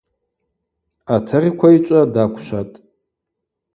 Атыгъьквайчӏва даквшватӏ.